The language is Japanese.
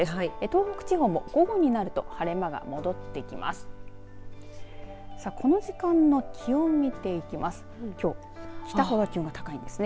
東北地方も午後になると晴れ間が戻ってきます。